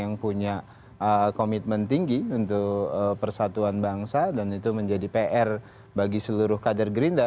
yang punya komitmen tinggi untuk persatuan bangsa dan itu menjadi pr bagi seluruh kader gerindra